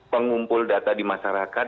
pengumpul data di masyarakat